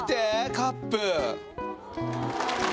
カップ。